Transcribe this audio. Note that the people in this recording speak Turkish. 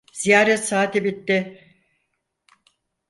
Ziyaret saati bitti.